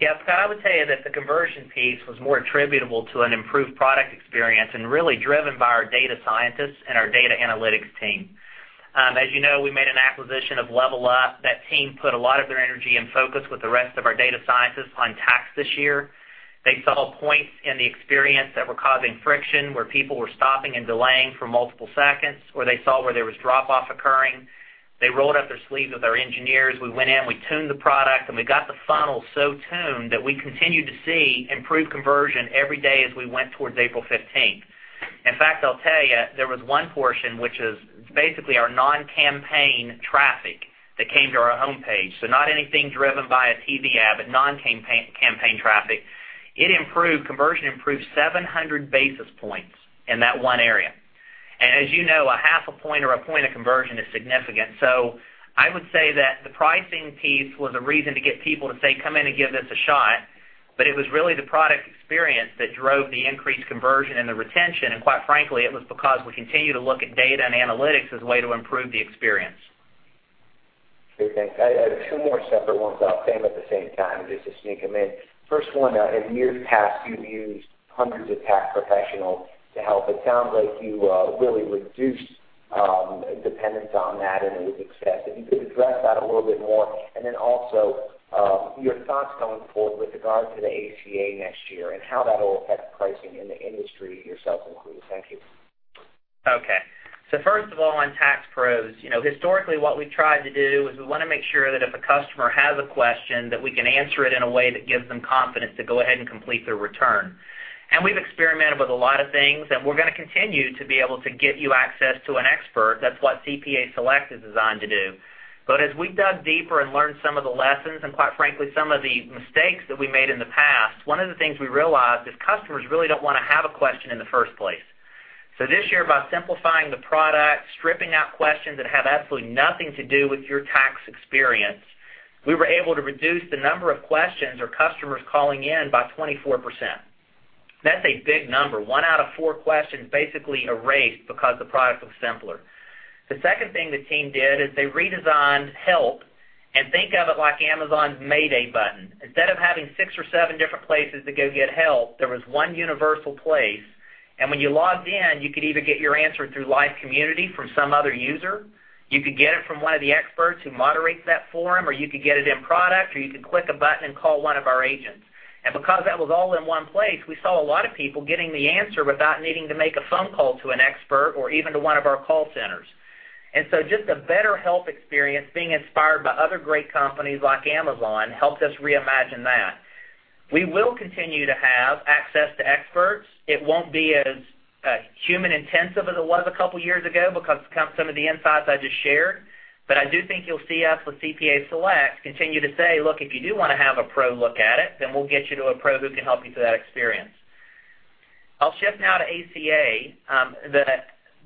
Yeah. Scott, I would say that the conversion piece was more attributable to an improved product experience and really driven by our data scientists and our data analytics team. As you know, we made an acquisition of LevelUp. That team put a lot of their energy and focus with the rest of our data scientists on tax this year. They saw points in the experience that were causing friction, where people were stopping and delaying for multiple seconds, where they saw where there was drop-off occurring. They rolled up their sleeves with our engineers. We went in, we tuned the product, and we got the funnel so tuned that we continued to see improved conversion every day as we went towards April 15th. In fact, I'll tell you, there was one portion, which is basically our non-campaign traffic that came to our homepage. Not anything driven by a TV ad, but non-campaign traffic. Conversion improved 700 basis points in that one area. As you know, a half a point or a point of conversion is significant. I would say that the pricing piece was a reason to get people to say, "Come in and give this a shot." It was really the product experience that drove the increased conversion and the retention, and quite frankly, it was because we continue to look at data and analytics as a way to improve the experience. Great, thanks. I have two more separate ones I'll ask them at the same time just to sneak them in. First one, in years past, you've used hundreds of tax professionals to help. It sounds like you really reduced dependence on that, and it was excess. If you could address that a little bit more, and then also your thoughts going forward with regard to the ACA next year and how that'll affect pricing in the industry, yourself included. Thank you. First of all, on tax pros, historically what we've tried to do is we want to make sure that if a customer has a question, that we can answer it in a way that gives them confidence to go ahead and complete their return. We've experimented with a lot of things, and we're going to continue to be able to get you access to an expert, that's what CPA Select is designed to do. As we dug deeper and learned some of the lessons, and quite frankly, some of the mistakes that we made in the past, one of the things we realized is customers really don't want to have a question in the first place. This year, by simplifying the product, stripping out questions that have absolutely nothing to do with your tax experience, we were able to reduce the number of questions or customers calling in by 24%. That's a big number. One out of four questions basically erased because the product was simpler. The second thing the team did is they redesigned Help, and think of it like Amazon's Mayday button. Instead of having six or seven different places to go get help, there was one universal place, and when you logged in, you could either get your answer through live community from some other user, you could get it from one of the experts who moderates that forum, or you could get it in-product, or you could click a button and call one of our agents. Because that was all in one place, we saw a lot of people getting the answer without needing to make a phone call to an expert or even to one of our call centers. Just a better help experience being inspired by other great companies like Amazon helped us reimagine that. We will continue to have access to experts. It won't be as human intensive as it was a couple of years ago because some of the insights I just shared. I do think you'll see us with CPA Select continue to say, "Look, if you do want to have a pro look at it, then we'll get you to a pro who can help you through that experience." I'll shift now to ACA.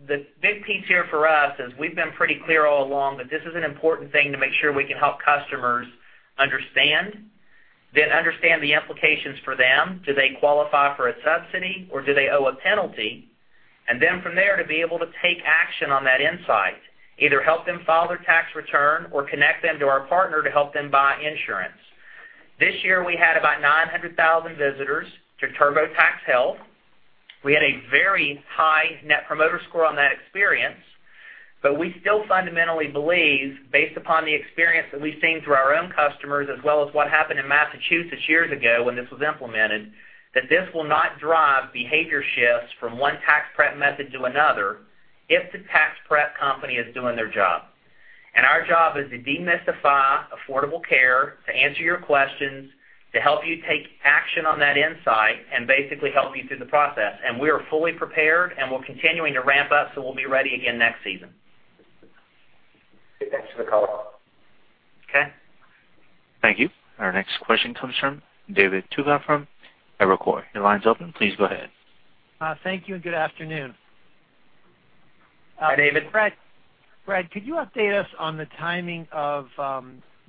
The big piece here for us is we've been pretty clear all along that this is an important thing to make sure we can help customers understand, then understand the implications for them. Do they qualify for a subsidy, or do they owe a penalty? Then from there, to be able to take action on that insight, either help them file their tax return or connect them to our partner to help them buy insurance. This year, we had about 900,000 visitors to TurboTax Health. We had a very high Net Promoter Score on that experience. We still fundamentally believe, based upon the experience that we've seen through our own customers as well as what happened in Massachusetts years ago when this was implemented, that this will not drive behavior shifts from one tax prep method to another if the tax prep company is doing their job. Our job is to demystify affordable care, to answer your questions, to help you take action on that insight, and basically help you through the process. We are fully prepared, and we're continuing to ramp up, so we'll be ready again next season. Thanks for the color. Okay. Thank you. Our next question comes from David Togut from Evercore. Your line's open. Please go ahead. Thank you, and good afternoon. Hi, David. Brad, could you update us on the timing of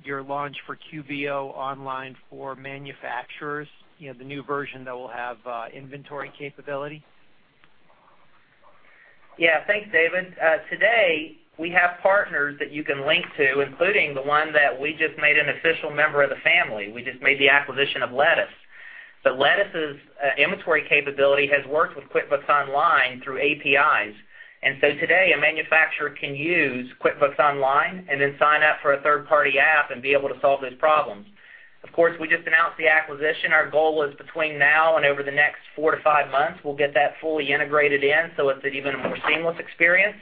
your launch for QBO online for manufacturers, the new version that will have inventory capability? Yeah. Thanks, David. Today, we have partners that you can link to, including the one that we just made an official member of the family. We just made the acquisition of Lettuce. Lettuce's inventory capability has worked with QuickBooks Online through APIs. Today, a manufacturer can use QuickBooks Online and then sign up for a third-party app and be able to solve those problems. Of course, we just announced the acquisition. Our goal is between now and over the next four to five months, we'll get that fully integrated in, so it's an even more seamless experience.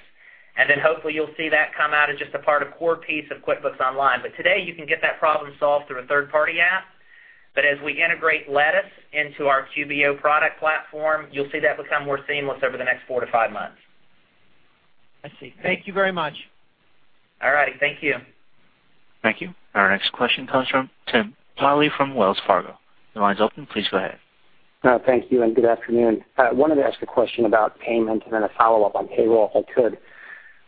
Hopefully you'll see that come out as just a part of core piece of QuickBooks Online. Today, you can get that problem solved through a third-party app. As we integrate Lettuce into our QBO product platform, you'll see that become more seamless over the next four to five months. I see. Thank you very much. All right. Thank you. Thank you. Our next question comes from Tim Polley from Wells Fargo. Your line's open. Please go ahead. Thank you, and good afternoon. I wanted to ask a question about payment and then a follow-up on payroll, if I could.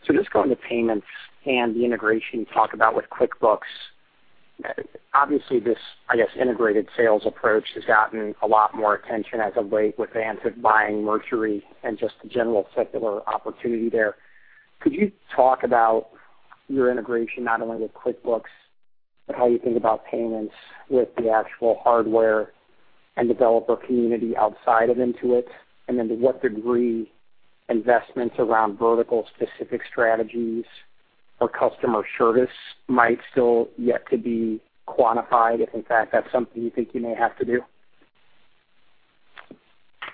Just going to payments and the integration you talk about with QuickBooks, obviously this, I guess, integrated sales approach has gotten a lot more attention as of late with the advance of buying Mercury and just the general secular opportunity there. Could you talk about your integration, not only with QuickBooks, but how you think about payments with the actual hardware and developer community outside of Intuit? And then to what degree investments around vertical specific strategies or customer service might still yet to be quantified, if in fact that's something you think you may have to do?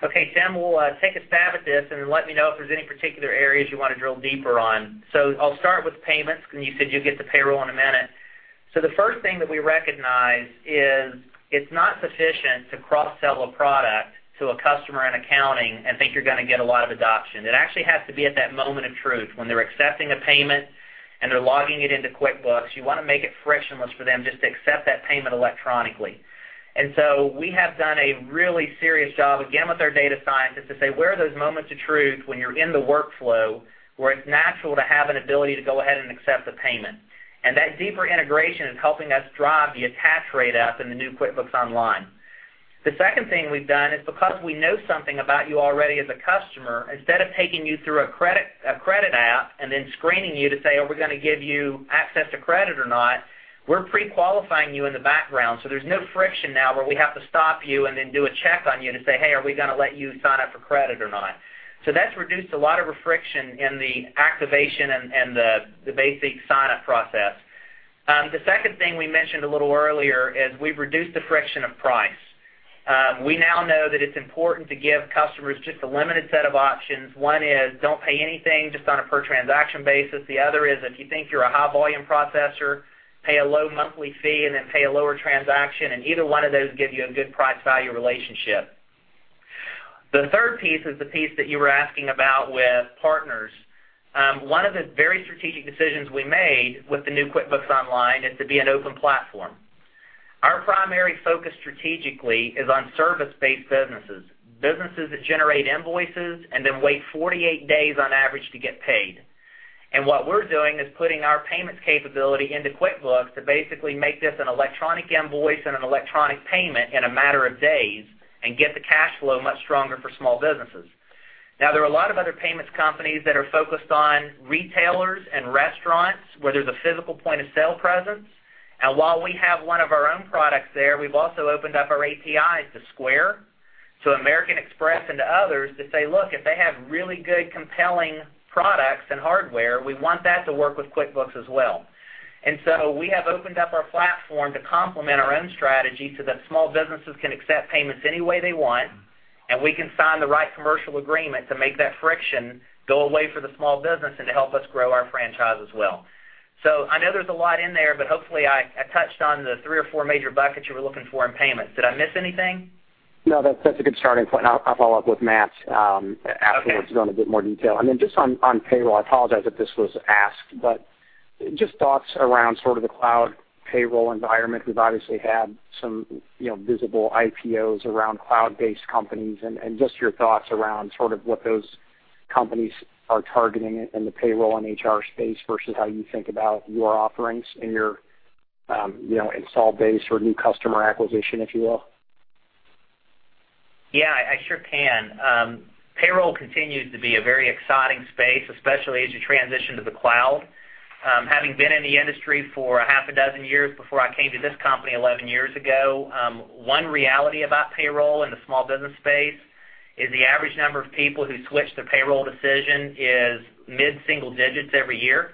Okay, Tim, we'll take a stab at this. Let me know if there's any particular areas you want to drill deeper on. I'll start with payments, because you said you'll get to payroll in a minute. The first thing that we recognize is it's not sufficient to cross-sell a product to a customer in accounting and think you're going to get a lot of adoption. It actually has to be at that moment of truth when they're accepting a payment and they're logging it into QuickBooks. You want to make it frictionless for them just to accept that payment electronically. We have done a really serious job, again, with our data scientists, to say, where are those moments of truth when you're in the workflow, where it's natural to have an ability to go ahead and accept the payment? That deeper integration is helping us drive the attach rate up in the new QuickBooks Online. The second thing we've done is because we know something about you already as a customer, instead of taking you through a credit app and then screening you to say, "Are we going to give you access to credit or not?" We're pre-qualifying you in the background, so there's no friction now where we have to stop you and then do a check on you to say, "Hey, are we going to let you sign up for credit or not?" That's reduced a lot of friction in the activation and the basic sign-up process. The second thing we mentioned a little earlier is we've reduced the friction of price. We now know that it's important to give customers just a limited set of options. One is don't pay anything just on a per transaction basis. The other is if you think you're a high volume processor, pay a low monthly fee and then pay a lower transaction. Either one of those give you a good price value relationship. The third piece is the piece that you were asking about with partners. One of the very strategic decisions we made with the new QuickBooks Online is to be an open platform. Our primary focus strategically is on service-based businesses that generate invoices, then wait 48 days on average to get paid. What we're doing is putting our payments capability into QuickBooks to basically make this an electronic invoice and an electronic payment in a matter of days and get the cash flow much stronger for small businesses. There are a lot of other payments companies that are focused on retailers and restaurants where there's a physical point-of-sale presence. While we have one of our own products there, we've also opened up our APIs to Square, to American Express, and to others to say, look, if they have really good, compelling products and hardware, we want that to work with QuickBooks as well. We have opened up our platform to complement our own strategy so that small businesses can accept payments any way they want. We can sign the right commercial agreement to make that friction go away for the small business and to help us grow our franchise as well. I know there's a lot in there, but hopefully I touched on the three or four major buckets you were looking for in payments. Did I miss anything? No, that's a good starting point. I'll follow up with Matt afterwards to go into a bit more detail. Just on payroll, I apologize if this was asked, just thoughts around sort of the cloud payroll environment. We've obviously had some visible IPOs around cloud-based companies, just your thoughts around sort of what those companies are targeting in the payroll and HR space versus how you think about your offerings and your install base or new customer acquisition, if you will. Yeah, I sure can. Payroll continues to be a very exciting space, especially as you transition to the cloud. Having been in the industry for half a dozen years before I came to this company 11 years ago, one reality about payroll in the small business space is the average number of people who switch their payroll decision is mid-single digits every year.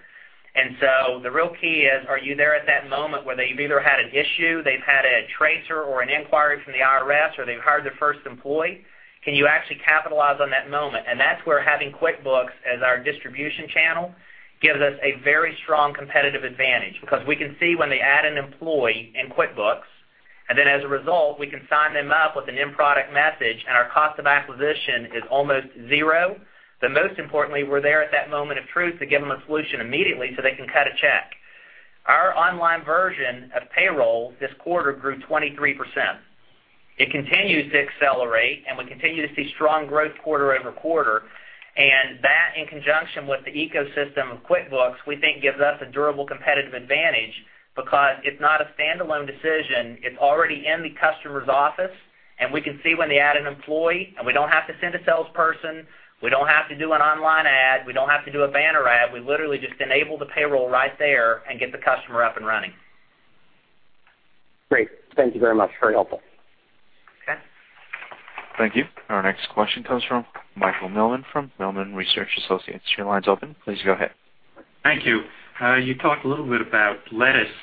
The real key is, are you there at that moment where they've either had an issue, they've had a tracer or an inquiry from the IRS, or they've hired their first employee? Can you actually capitalize on that moment? That's where having QuickBooks as our distribution channel gives us a very strong competitive advantage, because we can see when they add an employee in QuickBooks, as a result, we can sign them up with an in-product message, and our cost of acquisition is almost zero. Most importantly, we're there at that moment of truth to give them a solution immediately so they can cut a check. Our online version of payroll this quarter grew 23%. It continues to accelerate, we continue to see strong growth quarter-over-quarter. That, in conjunction with the ecosystem of QuickBooks, we think gives us a durable competitive advantage because it's not a standalone decision. It's already in the customer's office, we can see when they add an employee, and we don't have to send a salesperson, we don't have to do an online ad, we don't have to do a banner ad. We literally just enable the payroll right there and get the customer up and running. Great. Thank you very much. Very helpful. Okay. Thank you. Our next question comes from Michael Millman from Millman Research Associates. Your line's open. Please go ahead. Thank you. You talked a little bit about Lettuce.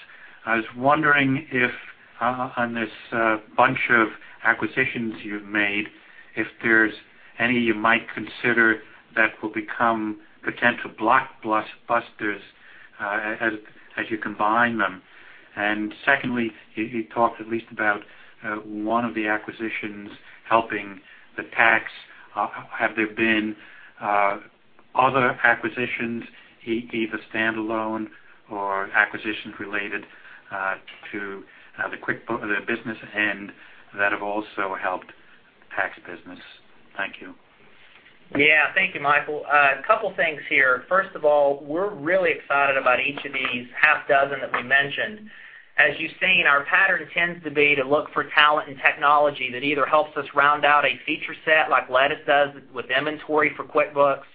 I was wondering if on this bunch of acquisitions you've made, if there's any you might consider that will become potential blockbusters as you combine them. Secondly, you talked at least about one of the acquisitions helping the tax. Have there been other acquisitions, either standalone or acquisitions related to the business end that have also helped the tax business? Thank you. Yeah. Thank you, Michael. A couple of things here. First of all, we're really excited about each of these half dozen that we mentioned. As you've seen, our pattern tends to be to look for talent and technology that either helps us round out a feature set like Lettuce does with inventory for QuickBooks,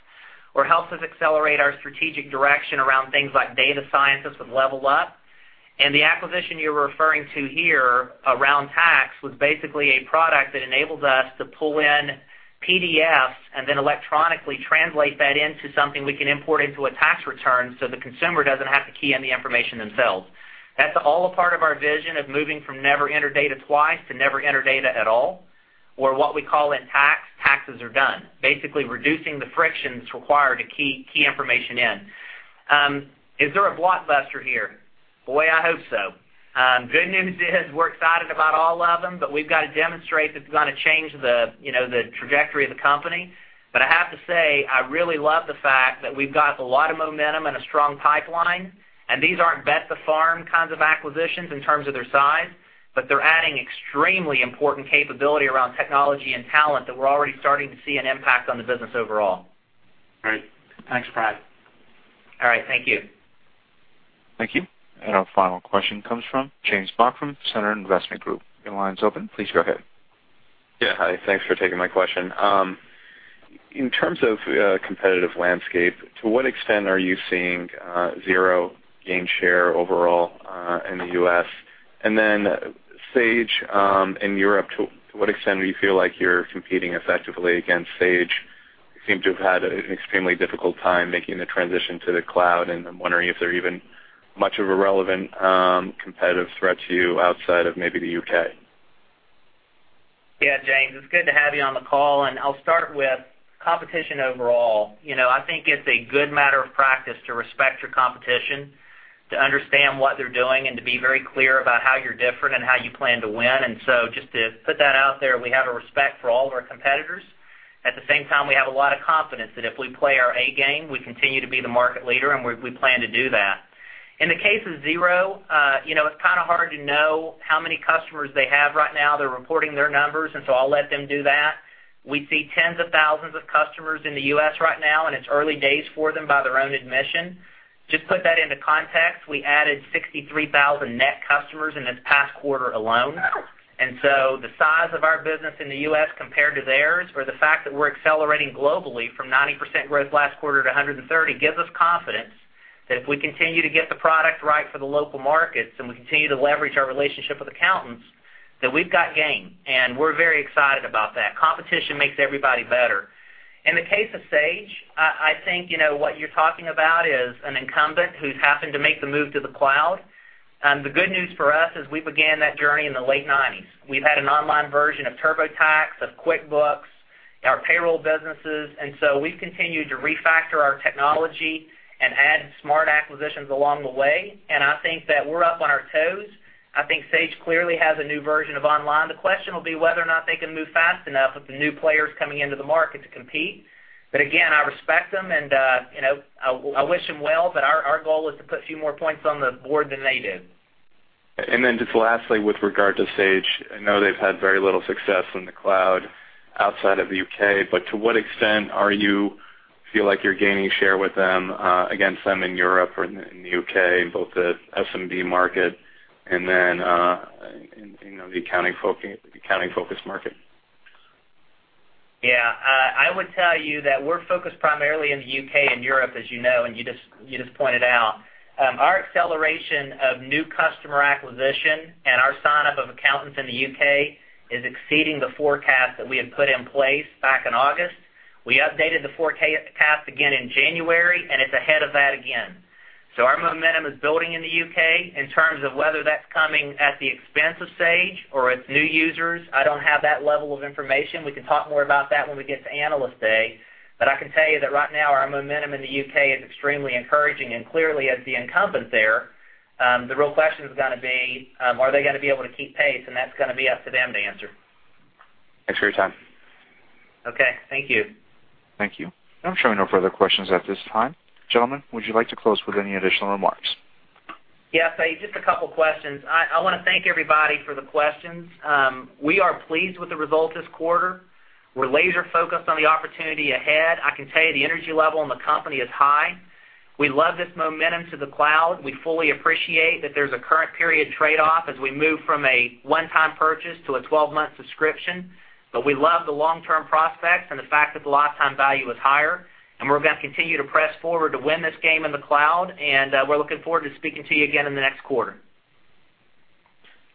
or helps us accelerate our strategic direction around things like data sciences with LevelUp. The acquisition you're referring to here around tax was basically a product that enables us to pull in PDFs and then electronically translate that into something we can import into a tax return so the consumer doesn't have to key in the information themselves. That's all a part of our vision of moving from never enter data twice to never enter data at all, or what we call in tax, taxes are done. Basically reducing the frictions required to key information in. Is there a blockbuster here? Boy, I hope so. Good news is we're excited about all of them, but we've got to demonstrate that they're going to change the trajectory of the company. I have to say, I really love the fact that we've got a lot of momentum and a strong pipeline, and these aren't bet the farm kinds of acquisitions in terms of their size, but they're adding extremely important capability around technology and talent that we're already starting to see an impact on the business overall. Great. Thanks, Brad. All right. Thank you. Thank you. Our final question comes from James Bach from Centere Investment Group. Your line's open. Please go ahead. Yeah. Hi. Thanks for taking my question. In terms of competitive landscape, to what extent are you seeing Xero gain share overall, in the U.S.? Sage in Europe, to what extent do you feel like you're competing effectively against Sage? You seem to have had an extremely difficult time making the transition to the cloud, and I'm wondering if they're even much of a relevant competitive threat to you outside of maybe the U.K. Yeah, James, it's good to have you on the call. I'll start with competition overall. I think it's a good matter of practice to respect your competition, to understand what they're doing, to be very clear about how you're different and how you plan to win. Just to put that out there, we have a respect for all of our competitors. At the same time, we have a lot of confidence that if we play our A game, we continue to be the market leader, we plan to do that. In the case of Xero, it's kind of hard to know how many customers they have right now. They're reporting their numbers, I'll let them do that. We see tens of thousands of customers in the U.S. right now, it's early days for them by their own admission. Just put that into context, we added 63,000 net customers in this past quarter alone. The size of our business in the U.S. compared to theirs, or the fact that we're accelerating globally from 90% growth last quarter to 130%, gives us confidence that if we continue to get the product right for the local markets and we continue to leverage our relationship with accountants, that we've got game, we're very excited about that. Competition makes everybody better. In the case of Sage, I think what you're talking about is an incumbent who's happened to make the move to the cloud. The good news for us is we began that journey in the late '90s. We've had an online version of TurboTax, of QuickBooks, our payroll businesses. We've continued to refactor our technology and add smart acquisitions along the way, I think that we're up on our toes. I think Sage clearly has a new version of online. The question will be whether or not they can move fast enough with the new players coming into the market to compete. Again, I respect them, I wish them well, our goal is to put a few more points on the board than they did. just lastly, with regard to Sage, I know they've had very little success in the cloud outside of the U.K., but to what extent are you feel like you're gaining share with them, against them in Europe or in the U.K., in both the SMB market and in the accounting-focused market? I would tell you that we're focused primarily in the U.K. and Europe, as you know, and you just pointed out. Our acceleration of new customer acquisition and our sign-up of accountants in the U.K. is exceeding the forecast that we had put in place back in August. We updated the forecast again in January, and it's ahead of that again. Our momentum is building in the U.K. In terms of whether that's coming at the expense of Sage or it's new users, I don't have that level of information. We can talk more about that when we get to Analyst Day. I can tell you that right now, our momentum in the U.K. is extremely encouraging, and clearly as the incumbent there, the real question is going to be, are they going to be able to keep pace? that's going to be up to them to answer. Thanks for your time. Okay, thank you. Thank you. I'm showing no further questions at this time. Gentlemen, would you like to close with any additional remarks? Yes, just a couple questions. I want to thank everybody for the questions. We are pleased with the result this quarter. We're laser-focused on the opportunity ahead. I can tell you the energy level in the company is high. We love this momentum to the cloud. We fully appreciate that there's a current period trade-off as we move from a one-time purchase to a 12-month subscription. We love the long-term prospects and the fact that the lifetime value is higher, and we're going to continue to press forward to win this game in the cloud, and we're looking forward to speaking to you again in the next quarter.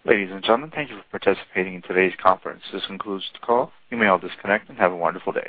Ladies and gentlemen, thank you for participating in today's conference. This concludes the call. You may all disconnect, and have a wonderful day.